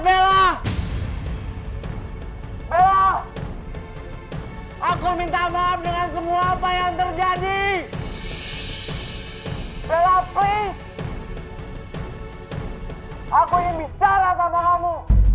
bella aku minta maaf dengan semua apa yang terjadi bella aku ingin bicara sama kamu